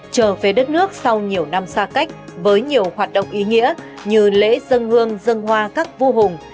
trở về đất nước sau nhiều năm xa cách với nhiều hoạt động ý nghĩa như lễ dân hương dân hoa các vua hùng